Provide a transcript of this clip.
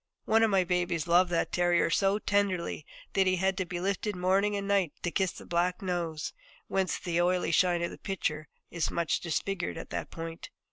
One of my babies loved that terrier so tenderly that he had to be lifted morning and night to kiss the black nose, whence the oily shine of the picture is much disfigured at that point.